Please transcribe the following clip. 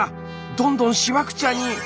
どんどんしわくちゃに。